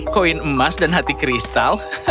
koin emas dan hati kristal